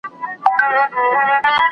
پيغمبر د حق پلي کوونکی و.